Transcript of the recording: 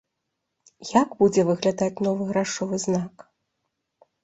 Як будзе выглядаць новы грашовы знак?